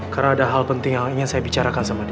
karena ada hal penting yang ingin saya bicarakan sama dia